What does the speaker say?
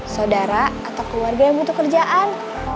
saudara atau keluarga yang butuh kerjaan